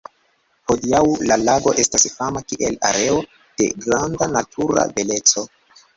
Hodiaŭ la lago estas fama kiel areo de granda natura beleco.